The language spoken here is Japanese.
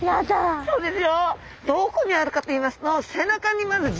そうですね。